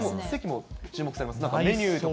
席も注目されますか。